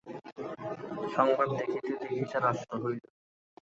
সংবাদ দেখিতে দেখিতে রাষ্ট্র হইল।